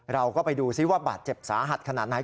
เราก็ไปดูซิว่าบาดเจ็บสาหัสขนาดไหน